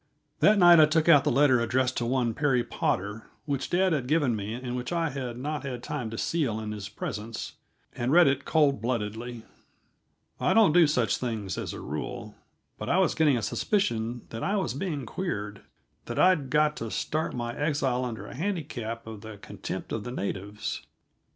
That night I took out the letter addressed to one Perry Potter, which dad had given me and which I had not had time to seal in his presence, and read it cold bloodedly. I don't do such things as a rule, but I was getting a suspicion that I was being queered; that I'd got to start my exile under a handicap of the contempt of the natives.